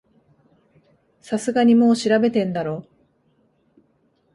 さすがにもう調べてんだろ